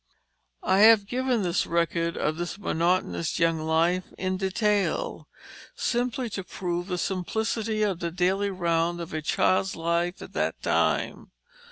I have given this record of this monotonous young life in detail, simply to prove the simplicity of the daily round of a child's life at that time.